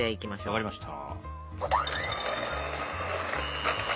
分かりました。